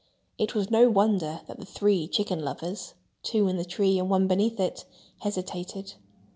It was no wonder that the three chicken lovers (two in the tree and one beneath it) hesitated.